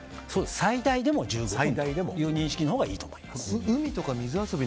最大でも１５分という認識のほうがいいと思います。